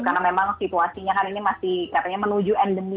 karena memang situasinya kan ini masih kayaknya menuju endemi